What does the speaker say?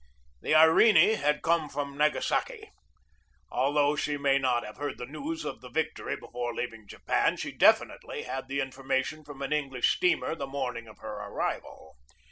The Irene had come from Nagasaki. Although she may not have heard the news of the victory be fore leaving Japan, she definitely had the infor mation from an English steamer the morning of her arrival.